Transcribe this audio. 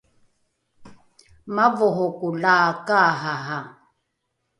mavoroko la kaarara